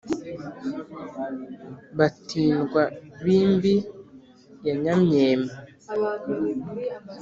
batindwa b’imbi ya nyambeho